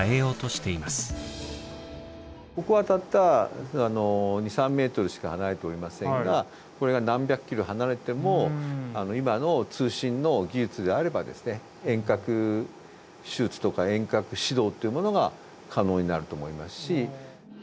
ここはたった２３ｍしか離れておりませんがこれが何百ｋｍ離れても今の通信の技術があればですね遠隔手術とか遠隔指導というものが可能になると思いますし。